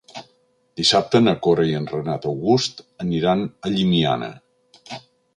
Dissabte na Cora i en Renat August aniran a Llimiana.